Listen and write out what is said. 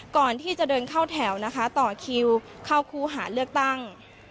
ก่อนที่จะเดินเข้าแถวนะคะต่อคิวเข้าคู่หาเลือกตั้ง